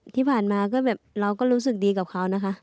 ที่ผ่านมาก็แบบเราก็รู้สึกดีกับเขานะคะ